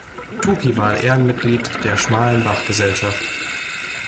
Toki war Ehrenmitglied der Schmalenbach-Gesellschaft.